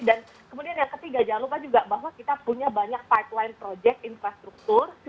dan kemudian yang ketiga jangan lupa juga bahwa kita punya banyak pipeline project infrastruktur